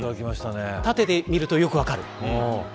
縦で見るとよく分かる。